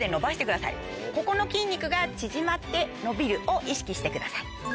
ここの筋肉が縮まって伸びるを意識してください。